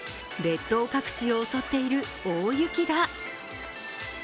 列島各地を襲っている大雪だ。